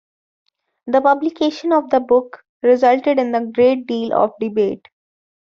The publication of the book resulted in a great deal of debate.